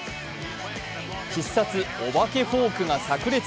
必殺・お化けフォークが、さく裂。